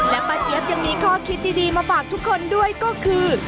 ป้าเจี๊ยบยังมีข้อคิดดีมาฝากทุกคนด้วยก็คือ